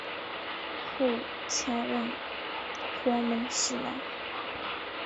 后又迁任黄门侍郎。